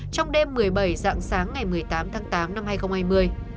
trong đêm một mươi bảy dạng sáng ngày một mươi tám tháng tám năm hai nghìn hai mươi